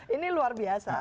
ini luar biasa